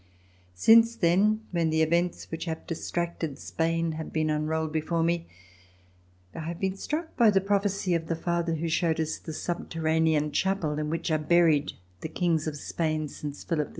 Since then, when the events which have distracted Spain have been unrolled before me, I have been struck by the prophecy of the father who showed us the subterranean chapel in which are buried the Kings of Spain since Philip II.